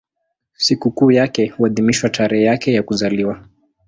Sikukuu yake huadhimishwa tarehe yake ya kuzaliwa.